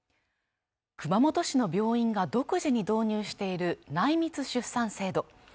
熊本市の病院が独自に導入している内密出産制度